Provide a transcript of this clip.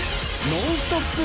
ノンストップ！